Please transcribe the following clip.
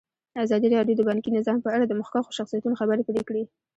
ازادي راډیو د بانکي نظام په اړه د مخکښو شخصیتونو خبرې خپرې کړي.